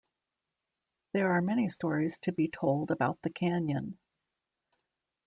There are many stories to be told about the Canyon.